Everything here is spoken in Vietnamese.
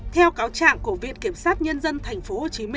theo cáo trạng của viện kiểm sát nhân dân tp hcm